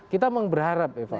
kita mengberharap eva